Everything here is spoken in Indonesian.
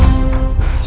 kamu bisa mencobanya